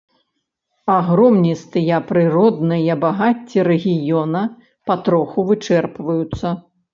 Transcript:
Агромністыя прыродныя багацці рэгіёна патроху вычэрпваюцца.